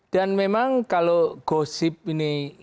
dan memang kalau gosip ini